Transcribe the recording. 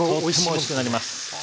おいしくなります。